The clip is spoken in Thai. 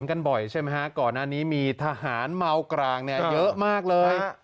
กันบ่อยใช่ไหมฮะก่อนหน้านี้มีทหารเมากรางเนี่ยเยอะมากเลย